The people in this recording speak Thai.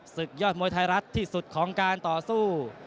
ศึกยอดมวยไทยรัฐที่สุดของการต่อสู้